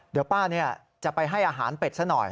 เดี๋ยวป้าจะไปให้อาหารเป็ดซะหน่อย